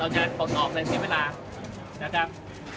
ขอตอบอะไรเทียบเวลานะครับ